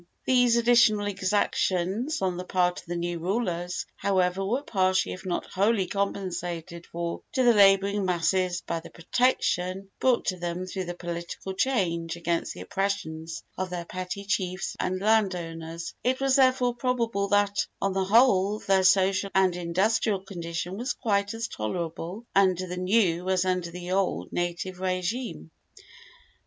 These additional exactions on the part of the new rulers, however, were partially if not wholly compensated for to the laboring masses by the protection brought to them through the political change against the oppressions of their petty chiefs and land owners; and it is therefore probable that, on the whole, their social and industrial condition was quite as tolerable under the new as under the old or native régime.